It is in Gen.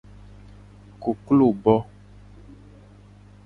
Koklo bo.